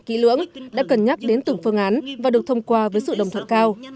kỹ lưỡng đã cần nhắc đến từng phương án và được thông qua với sự đồng thuận cao